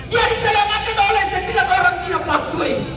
dia diselamatkan oleh setelah orang china sepangkui